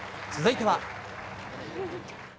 続いては。